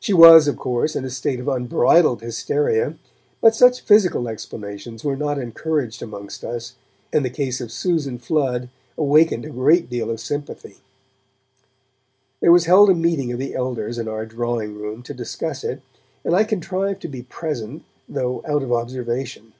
She was, of course, in a state of unbridled hysteria, but such physical explanations were not encouraged amongst us, and the case of Susan Flood awakened a great deal of sympathy. There was held a meeting of the elders in our drawing room to discuss it, and I contrived to be present, though out of observation.